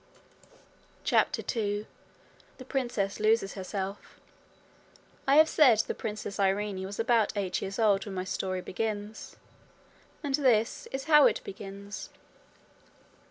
CHAPTER 2 The Princess Loses Herself I have said the Princess Irene was about eight years old when my story begins. And this is how it begins.